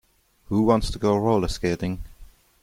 Who wants to go roller skating?